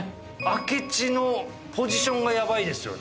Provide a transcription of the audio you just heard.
明智のポジションがやばいですよね。